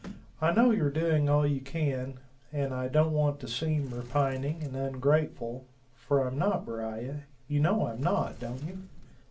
I know you're doing all you can, and I don't want to seem repining and ungrateful for I'm not, Beriah you know I'm not, don't you?"